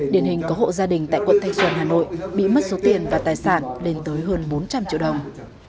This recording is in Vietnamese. điển hình có hộ gia đình tại quận thanh xuân hà nội bị mất số tiền và tài sản lên tới hơn bốn trăm linh triệu đồng